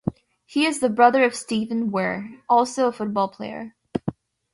He is the brother of Steven Weir, also a football player.